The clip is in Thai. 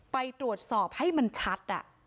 ไปตรวจสอบให้มันชัด